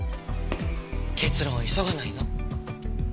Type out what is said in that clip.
結論を急がないの。